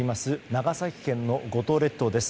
長崎県の五島列島です。